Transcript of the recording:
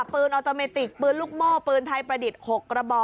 ออโตเมติกปืนลูกโม่ปืนไทยประดิษฐ์๖กระบอก